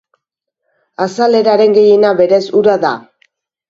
Azaleraren gehiena, berez, ura da.